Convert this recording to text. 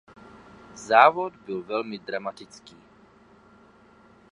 Závod byl velmi dramatický.